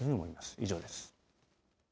以上です。